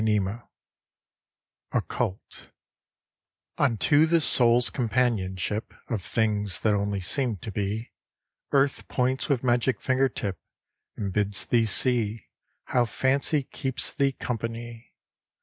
OCCULT Unto the soul's companionship Of things that only seem to be, Earth points with magic fingertip And bids thee see How Fancy keeps thee company.